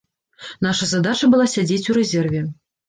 Наша задача была сядзець у рэзерве.